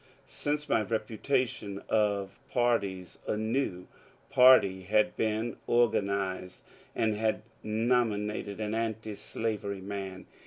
Since my repudiation of parties a new party had been organ ized and had nominated an antislavery man.